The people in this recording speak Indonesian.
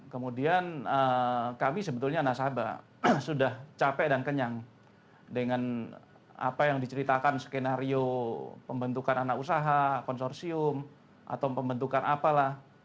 kemudian kami sebetulnya nasabah sudah capek dan kenyang dengan apa yang diceritakan skenario pembentukan anak usaha konsorsium atau pembentukan apalah